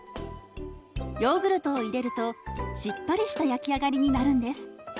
ヨーグルトを入れるとしっとりした焼き上がりになるんです。